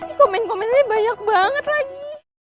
ini komen komennya banyak banget lagi